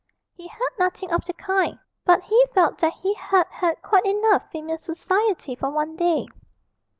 He had nothing of the kind, but he felt that he had had quite enough female society for one day.